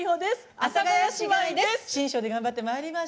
阿佐ヶ谷姉妹です。